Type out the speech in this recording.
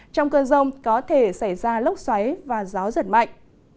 trong cơn rông có thể xảy ra lốc xoáy và gió giật mạnh